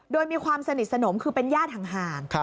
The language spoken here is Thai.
โดยมีความสนิทสนมคือเป็นญาติห่าง